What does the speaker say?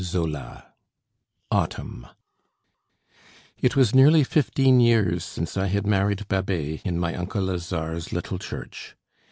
III AUTUMN It was nearly fifteen years since I had married Babet In my uncle Lazare's little church.